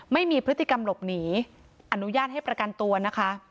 ไม่มีพฤติกรรมหลบหนีอนุญาตให้ประกันตัวนะคะ